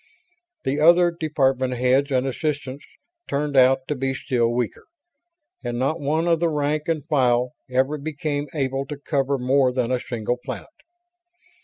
The other department heads and assistants turned out to be still weaker, and not one of the rank and file ever became able to cover more than a single planet.